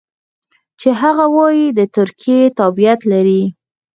چې هغه وايي د ترکیې تابعیت لري.